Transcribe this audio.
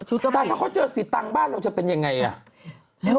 ชุดก็เป็นแต่ถ้าเขาเจอสิทธิ์ต่างบ้านเราจะเป็นอย่างไร